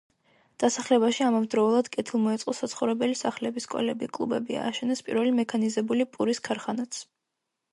დასახლებაში ამავდროულად კეთილმოეწყო საცხოვრებელი სახლები, სკოლები, კლუბები, ააშენეს პირველი მექანიზებული პურის ქარხანაც.